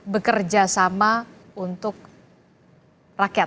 bekerja sama untuk rakyat